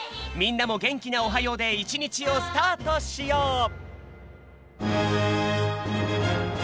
みんなもげんきな「おはよう」でいちにちをスタートしよう！